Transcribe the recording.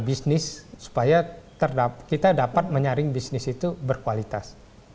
bisnis supaya kita dapat menyaring bisnis itu berkualitas